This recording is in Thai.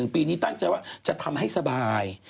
ปีนี้ตั้งใจว่าจะทำให้สบาย